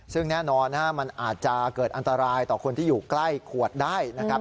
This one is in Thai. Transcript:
ซึ่งแน่นอนมันอาจจะเกิดอันตรายต่อคนที่อยู่ใกล้ขวดได้นะครับ